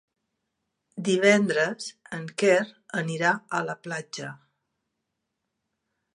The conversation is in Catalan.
Divendres en Quer anirà a la platja.